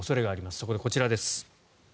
そこで、こちらです。